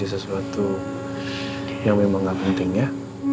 itu yang memang pentingnya